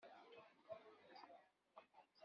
Ikcem ɛamṛayen.